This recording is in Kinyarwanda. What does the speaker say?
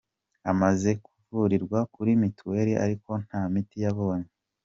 Amaze kuvurirwa kuri Mutuel ariko nta miti yabonye.